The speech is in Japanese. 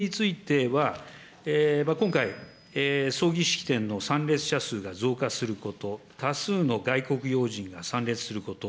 それについては今回、葬儀・式典の参列者数が増加すること、多数の外国要人が参列すること。